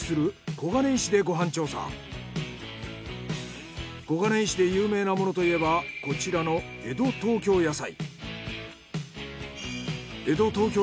小金井市で有名なものといえばこちらの江戸東京野菜。